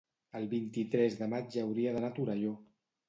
el vint-i-tres de maig hauria d'anar a Torelló.